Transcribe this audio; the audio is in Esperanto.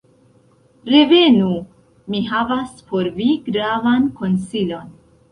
"Revenu! mi havas por vi gravan konsilon.